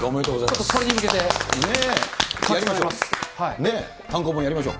ちょっとそれに向けてやりま単行本、やりましょう。